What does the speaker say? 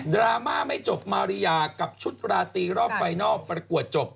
ราม่าไม่จบมาริยากับชุดราตรีรอบไฟนัลประกวดจบ